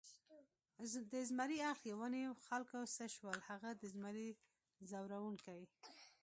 د زمري اړخ یې ونیو، آ خلکو څه شول هغه د زمري ځوروونکي؟